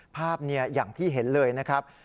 ภาพอย่างที่เห็นเลยนะครับ